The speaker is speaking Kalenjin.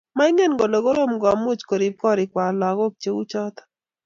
Moingen kole korom komuch Korib gorikwai lagok cheuchoto